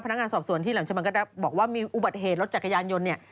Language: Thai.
พนักงานสอบสวนที่หลังจากนั้นก็ได้บอกว่ามีอุบัติเหตุรถจักรยานยนต์เนี่ย